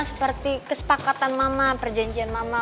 seperti kesepakatan mama perjanjian mama